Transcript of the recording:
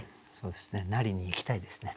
なりにいきたいですね